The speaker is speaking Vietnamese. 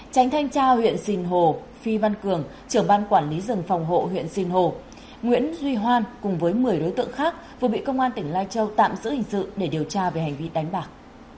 tránh thanh tra huyện sinh hồ phi văn cường trưởng ban quản lý rừng phòng hộ huyện sinh hồ nguyễn duy hoan cùng với một mươi đối tượng khác vừa bị công an tỉnh lai châu tạm giữ hình sự để điều tra về hành vi đánh bạc